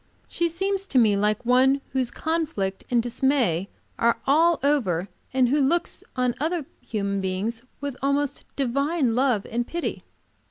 She seems to me like one whose conflict and dismay are all over, and who looks on other human beings with an almost divine love and pity.